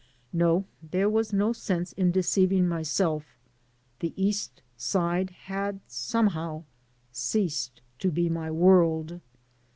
No, there was no sense in deceiving myself, the East Side had somehow ceased to be my world.